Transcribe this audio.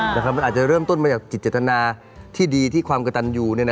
มันอาจจะเริ่มต้นมาจากจิตนาที่ดีที่ความกระตันอยู่